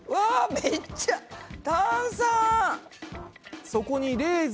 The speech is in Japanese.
めっちゃ炭酸！